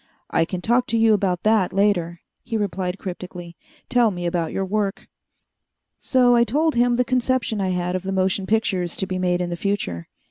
"I can talk to you about that later," he replied cryptically. "Tell me about your work." So I told him the conception I had of the motion pictures to be made in the future.